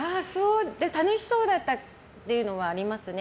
楽しそうだったというのはありますね。